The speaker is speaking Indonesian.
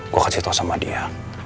gue kasih tau sama dia